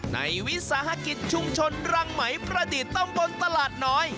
วิสาหกิจชุมชนรังไหมประดิษฐ์ตำบลตลาดน้อย